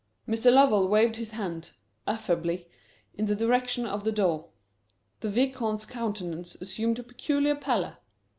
Mr. Lovell waved his hand, affably, in the direction of the door. The Vicomte's countenance assumed a peculiar pallor.